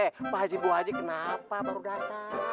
eh pak haji ibu haji kenapa baru datang